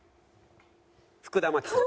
福田麻貴さん。